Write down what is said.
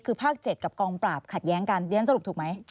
คือภาค๗กับกองปราบขัดแย้งกันเรียนสรุปถูกไหม